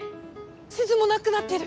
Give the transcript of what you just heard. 地図もなくなってる！